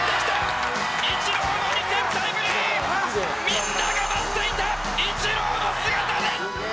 みんなが待っていたイチローの姿です！